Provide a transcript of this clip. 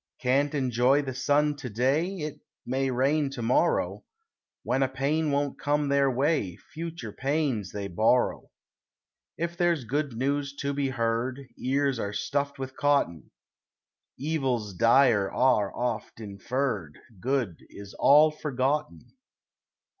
Can't enjoy the sun to day It may rain to morrow; When a pain won't come their way, Future pains they borrow. If there's good news to be heard, Ears are stuffed with cotton; Evils dire are oft inferred; Good is all forgotten.